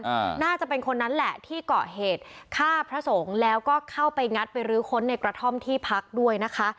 น่าจะเป็นคนนั้นแหละที่เกาะเหตุฆ่าพระสงฆ์แล้วก็เข้าไปงัดไปรื้อค้นในกระท่อมที่พักด้วยนะคะ